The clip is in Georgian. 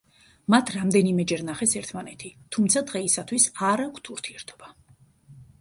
მათ რამდენიმეჯერ ნახეს ერთმანეთი, თუმცა დღეისათვის არ აქვთ ურთიერთობა.